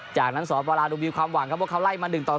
จากนั้นสหประราณวิวความหวังครับว่าเขาไล่มา